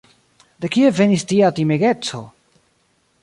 De kie venis tia timegeco?